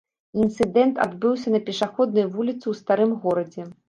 Інцыдэнт адбыўся на пешаходнай вуліцы ў старым горадзе.